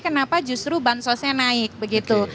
kenapa justru bansosnya naik begitu